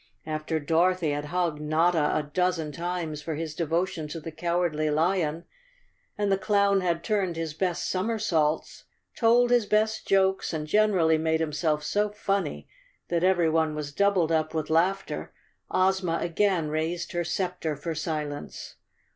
After Dorothy had hugged Notta a dozen times for his devotion to the Cowardly lion, and the clown had turned his best somersaults, told his best jokes and gen¬ erally made himself so funny that everyone was doubled up with laughter, Ozma again raised her scepter for silence.